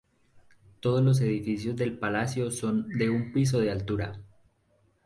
Todos los edificios del palacio son de un piso de altura.